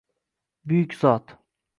Buyuk zot.